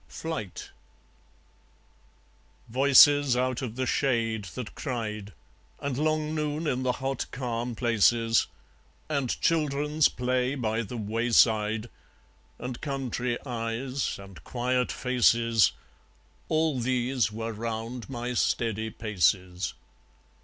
Flight Voices out of the shade that cried, And long noon in the hot calm places, And children's play by the wayside, And country eyes, and quiet faces All these were round my steady paces.